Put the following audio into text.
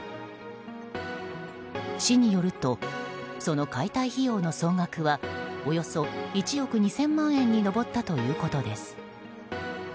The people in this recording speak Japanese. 市によるとその解体費用の総額はおよそ１億２０００万円に上ったということです。